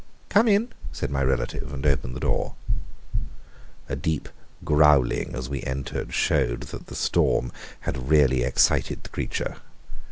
"Come in!" said my relative, and opened the door. A deep growling as we entered showed that the storm had really excited the creature.